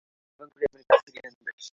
এবং প্রেমের গান ফিরিয়ে আনবে।